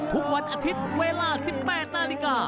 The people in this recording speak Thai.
ทุกวันอาทิตย์เวลา๑๘นาฬิกา